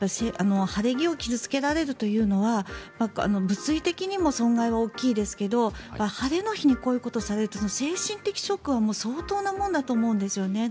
晴れ着を傷付けられるというのは物理的にも損害が大きいですが晴れの日にこういうことをされるという精神的ショックは相当なものだと思うんですよね。